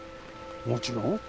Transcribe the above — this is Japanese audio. もちろん